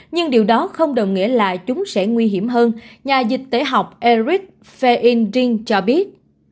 nhưng điều đó không đồng nghĩa là chúng sẽ nguy hiểm hơn nhà dịch tế học eric feindring cho biết